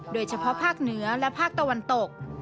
โดยเฉพาะภาคเหนือและภาคตะวันตก